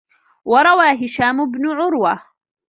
وَرَوَى هِشَامُ بْنُ عُرْوَةَ